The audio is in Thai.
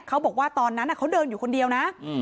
เขาบอกว่าตอนนั้นเขาเดินอยู่คนเดียวนะ